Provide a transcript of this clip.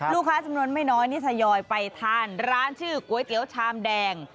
จำนวนไม่น้อยนี่ทยอยไปทานร้านชื่อก๋วยเตี๋ยวชามแดง